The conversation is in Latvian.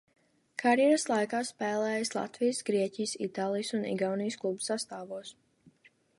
Karjeras laikā spēlējis Latvijas, Grieķijas, Itālijas un Igaunijas klubu sastāvos.